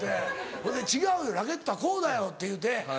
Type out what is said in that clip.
ほいで「違うよラケットはこうだよ」って言うて。